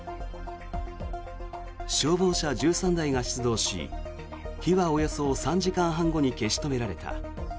消防車１３台が出動し火はおよそ３時間半後に消し止められた。